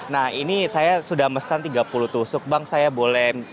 nah ini saya sudah mesan tiga puluh tusuk bang saya boleh